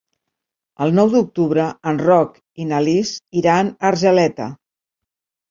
El nou d'octubre en Roc i na Lis iran a Argeleta.